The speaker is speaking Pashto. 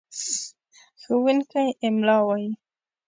ښوونکی املا وايي.